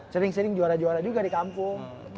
sering sering juara juara juga di kampung